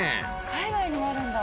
海外にもあるんだ。